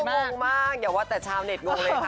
งงมากอย่าว่าแต่ชาวเน็ตงงเลยค่ะ